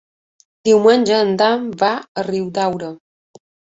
Diumenge en Dan va a Riudaura.